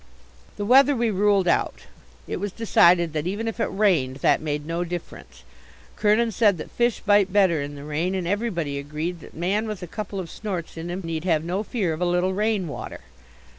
The weather we ruled out. It was decided that even if it rained that made no difference. Kernin said that fish bite better in the rain. And everybody agreed that man with a couple of snorts in him need have no fear of a little rain water.